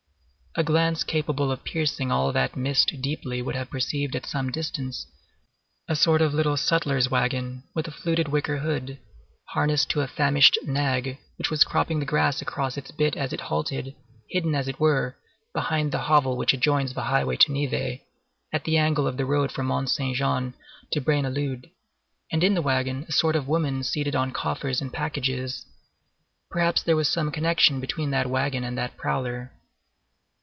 A glance capable of piercing all that mist deeply would have perceived at some distance a sort of little sutler's wagon with a fluted wicker hood, harnessed to a famished nag which was cropping the grass across its bit as it halted, hidden, as it were, behind the hovel which adjoins the highway to Nivelles, at the angle of the road from Mont Saint Jean to Braine l'Alleud; and in the wagon, a sort of woman seated on coffers and packages. Perhaps there was some connection between that wagon and that prowler.